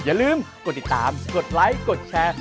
อย่าลืมกดติดตามกดไลค์กดแชร์